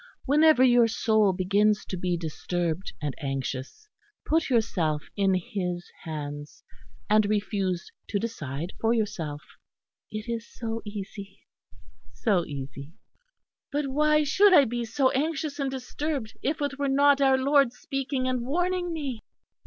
Whenever your soul begins to be disturbed and anxious, put yourself in His Hands, and refuse to decide for yourself. It is so easy, so easy." "But why should I be so anxious and disturbed, if it were not our Lord speaking and warning me?"